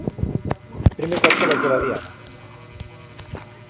Primer cop que vaig a la Diada.